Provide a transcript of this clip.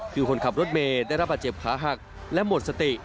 คือคนขับรถเมย์ได้รับบาดเจ็บขาหักและหมดสติ